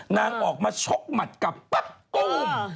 นางออกมาชกหมดกันปับโป๊บ